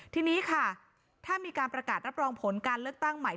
ทีนี้ค่ะถ้ามีการประกาศรับรองผลการเลือกตั้งใหม่